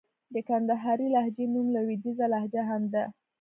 د کندهارۍ لهجې نوم لوېديځه لهجه هم دئ.